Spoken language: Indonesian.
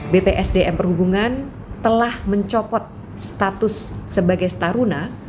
bpsdm perhubungan telah mencopot status sebagai staruna